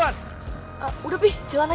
yang gak perlu gue ikut campur